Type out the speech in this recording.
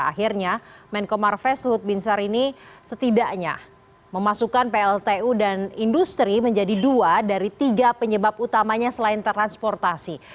akhirnya menko marves luhut binsar ini setidaknya memasukkan pltu dan industri menjadi dua dari tiga penyebab utamanya selain transportasi